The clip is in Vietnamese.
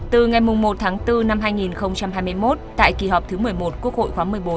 từ ngày một tháng bốn năm hai nghìn hai mươi một tại kỳ họp thứ một mươi một quốc hội khóa một mươi bốn